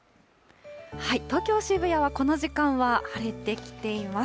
東京・渋谷はこの時間は晴れてきています。